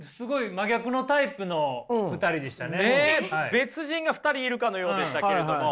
別人が２人いるかのようでしたけれども。